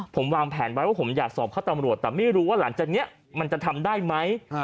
ผมวางแผนไว้ว่าผมอยากสอบเข้าตำรวจแต่ไม่รู้ว่าหลังจากนี้มันจะทำได้ไหม